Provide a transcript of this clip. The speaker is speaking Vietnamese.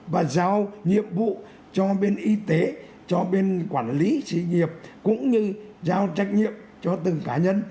và giao nhiệm vụ cho bên y tế cho bên quản lý sự nghiệp cũng như giao trách nhiệm cho từng cá nhân